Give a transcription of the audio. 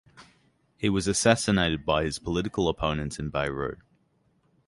He was assassinated by his political opponents in Beirut.